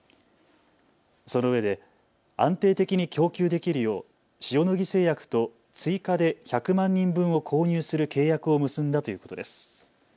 そのうえで安定的に供給できるよう塩野義製薬と追加で１００万人分を購入する契約を結んだということです。